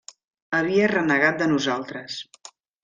Havia renegat de nosaltres.